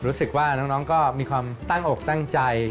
รู้สึกว่าน้องก็มีความตั้งอกตั้งใจ